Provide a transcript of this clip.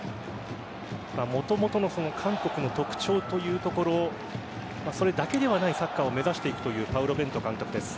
もともとの韓国の特徴というところそれだけではないサッカーを目指していくというパウロ・ベント監督です。